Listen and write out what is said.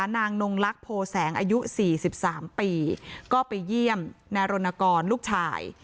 นางนงลักษโพแสงอายุ๔๓ปีก็ไปเยี่ยมนายรณกรลูกชาย